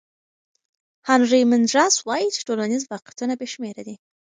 هانري مندراس وایي چې ټولنیز واقعیتونه بې شمېره دي.